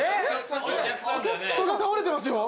人が倒れてますよ！